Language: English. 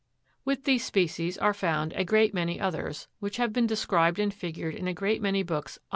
With these species are found a great many others, which have been described and figured in a great many books on the Fig.